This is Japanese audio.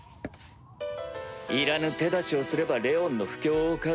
いらぬ手出しをすればレオンの不興を買う。